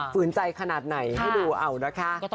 ฝืนใจขนาดไหนให้ดูเอานะคะ